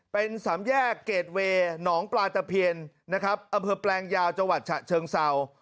เป็นสามแยกเกรดเวย์หนองปลาตะเพียนนะครับอำเภอแปลงยาวจังหวัดฉะเชิงเศร้า